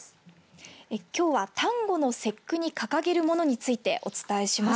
きょうは端午の節句に掲げるものについてお伝えします。